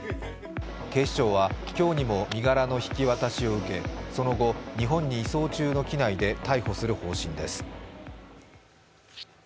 警視庁は今日にも身柄の引き渡しを受け、その後、日本に移送中の機内で逮捕する方針です。